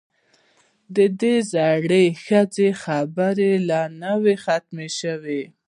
د زړې ښځې خبرې لا نه وې ختمې.